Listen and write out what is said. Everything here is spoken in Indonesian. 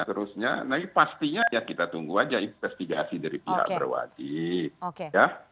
tapi pastinya kita tunggu saja investigasi dari pihak berwajib